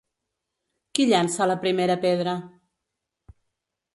Qui llança la primera pedra?